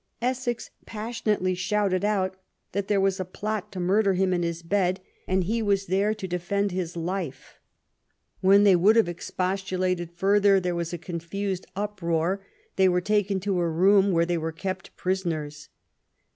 Essex passionately shouted out that there was a plot to murder him in his bed; and he was there to 292 QUEEN ELIZABETH. defend his life. When they would have expostulated further there was a confused uproar ; they were taken to a room where they were kept prisoners.